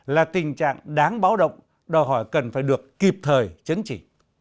là tình trạng đáng báo động đòi hỏi cần phải được kịp thời chấn chỉ